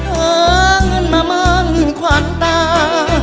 ท้องเงินมามั่งความตา